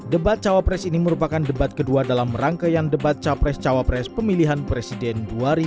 debat cawapres ini merupakan debat kedua dalam rangkaian debat capres cawapres pemilihan presiden dua ribu sembilan belas